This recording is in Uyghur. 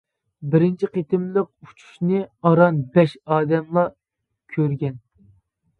بىرىنچى قېتىملىق ئۇچۇشنى ئاران بەش ئادەملا كۆرگەن.